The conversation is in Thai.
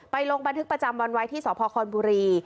ลงบันทึกประจำวันไว้ที่สพคอนบุรี